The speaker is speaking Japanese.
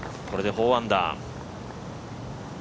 これで４アンダー。